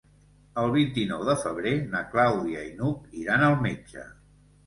El vint-i-nou de febrer na Clàudia i n'Hug iran al metge.